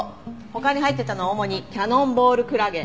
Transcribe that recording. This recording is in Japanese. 他に入ってたのは主にキャノンボールクラゲ。